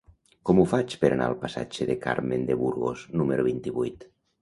Com ho faig per anar al passatge de Carmen de Burgos número vint-i-vuit?